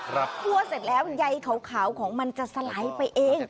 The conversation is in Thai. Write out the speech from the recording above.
คั่วเสร็จแล้วใยขาวของมันจะสลายไปเอง